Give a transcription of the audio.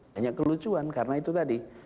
banyak kelucuan karena itu tadi